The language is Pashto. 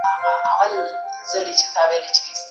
سعید هیله لري چې په راتلونکي کې یو تکړه انجینر شي.